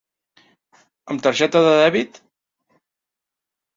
Amb targeta de dèbit?